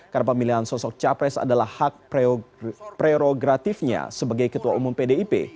karena pemilihan sosok capres adalah hak prerogatifnya sebagai ketua umum pdip